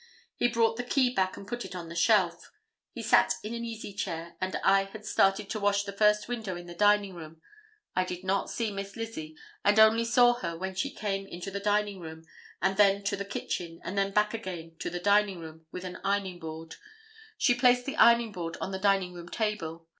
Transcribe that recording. He brought the key back and put it on the shelf. He sat in an easy chair, and I had started to wash the first window in the dining room. I did not see Miss Lizzie, and only saw her when she came into the dining room, and then to the kitchen, and then back again to the dining room with an ironing board. She placed the ironing board on the dining room table.